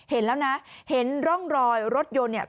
เห็นแล้วนะเห็นร่องรอยรถยนต์เนี่ย